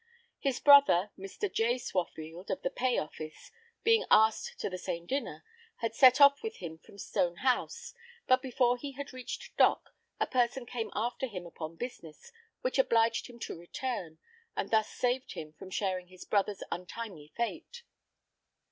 His brother Mr. J. Swaffield, of the Pay Office, being asked to the same dinner, had set off with him from Stone house, but before he had reached Dock a person came after him upon business, which obliged him to return, and thus saved him from sharing his brother's untimely fate.